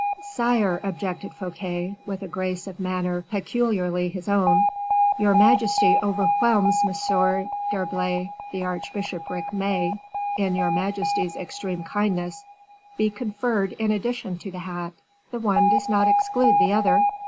"Sire," objected Fouquet, with a grace of manner peculiarly his own, "your majesty overwhelms M. d'Herblay; the archbishopric may, in your majesty's extreme kindness, be conferred in addition to the hat; the one does not exclude the other."